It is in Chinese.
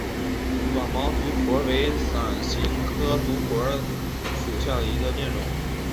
短毛独活为伞形科独活属下的一个变种。